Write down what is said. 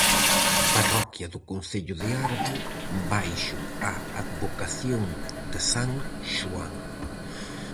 Parroquia do concello de Arbo baixo a advocación de san Xoán.